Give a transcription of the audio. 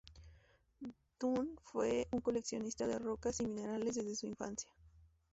Dunn fue un coleccionista de rocas y minerales desde su infancia.